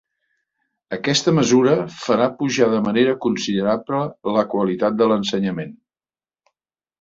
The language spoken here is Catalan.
Aquesta mesura farà pujar de manera considerable la qualitat de l'ensenyament.